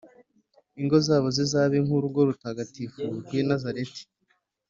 ingo zabo zizabe nk’urugo rutagatifu rw’i nazareti.